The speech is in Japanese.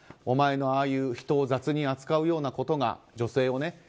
お前のああいう人を雑に扱うようなことが女性をね